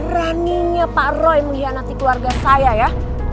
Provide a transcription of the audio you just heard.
beraninya pak roy mengkhianati keluarga saya ya